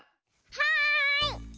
はい！